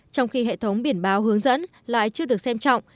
trong khi hệ thống biển báo hướng dẫn lại chưa được xem trọng